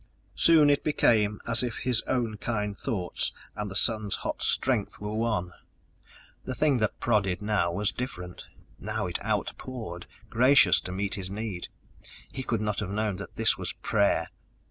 Soon it became as if his own kind thoughts and the sun's hot strength were one. The thing that prodded now was different, now it outpoured, gracious to meet his need. He could not have known that this was prayer!